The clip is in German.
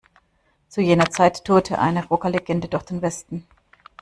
Zu jener Zeit tourte eine Rockerlegende durch den Westen.